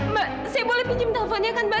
mbak saya boleh pinjam teleponnya kan mbak